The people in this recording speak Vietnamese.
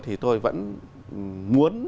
thì tôi vẫn muốn